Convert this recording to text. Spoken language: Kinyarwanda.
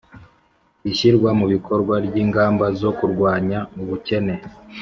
ishyirwa mu bikorwa ry'ingamba zo kurwanya ubukene,